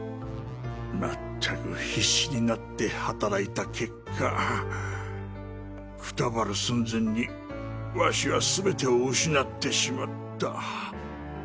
まったく必死になって働いた結果くたばる寸前にわしは全てを失ってしまった。